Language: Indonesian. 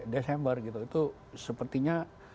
desember gitu itu sepertinya